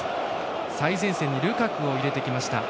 最前線にルカクを入れてきました。